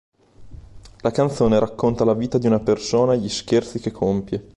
La canzone racconta la vita di una persona e gli scherzi che compie.